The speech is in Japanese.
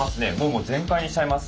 もう全開にしちゃいます。